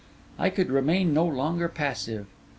I could remain no longer passive.